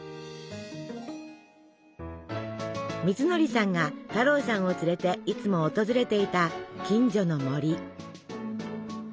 みつのりさんが太郎さんを連れていつも訪れていた近所の森。